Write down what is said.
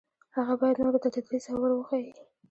هغه باید نورو ته تدریس او ور وښيي.